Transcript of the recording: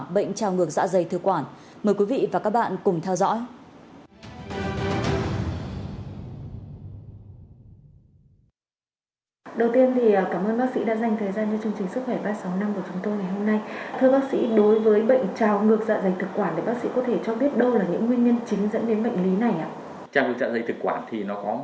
bệnh trào ngược dạ dày thực quản mời quý vị và các bạn cùng theo dõi